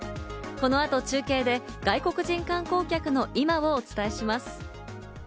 この後、中継で外国人観光客の今をお伝えします。